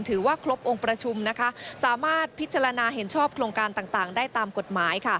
ถือว่าครบองค์ประชุมสามารถพิจารณาเห็นชอบโครงการต่างได้ตามกฎหมาย